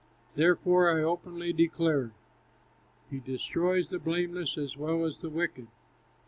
Therefore, I openly declare: He destroys the blameless as well as the wicked."